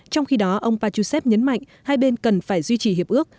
trong khi đó ông pachusev nhấn mạnh hai bên cần phải duy trì hiệp ước